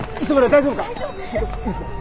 大丈夫か？